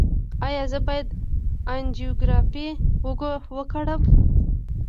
ایا زه باید انجیوګرافي وکړم؟